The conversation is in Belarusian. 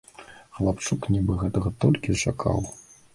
Хлапчук нібы гэтага толькі чакаў.